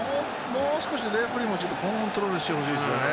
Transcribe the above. もう少しレフェリーもコントロールしてほしいですね。